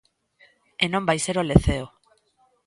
E non vai ser o Leceo.